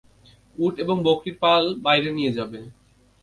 উট এবং বকরীর পাল বাইরে নিয়ে যাবে।